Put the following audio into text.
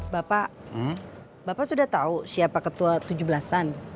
bapak bapak sudah tahu siapa ketua tujuh belas an